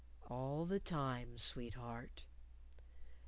All the time, sweetheart....